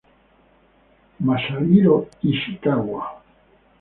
Masahiro Ishikawa